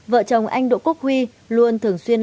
vợ chồng anh độ quốc huy luôn thường xuyên